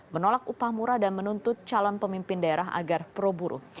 menolak upah murah dan menuntut calon pemimpin daerah agar pro buru